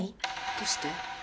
どうして？